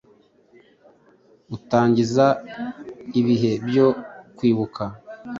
utangiza ibihe byo kwibuka